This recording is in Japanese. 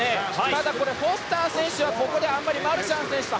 ただ、フォスター選手はここであまりマルシャン選手と